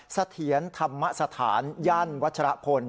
สะเทียนธรรมสถานยั่นวัชระพล